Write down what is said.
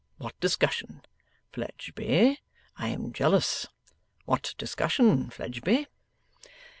What discussion? Fledgeby, I am jealous. What discussion, Fledgeby?